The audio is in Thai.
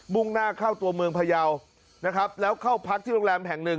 ่งหน้าเข้าตัวเมืองพยาวนะครับแล้วเข้าพักที่โรงแรมแห่งหนึ่ง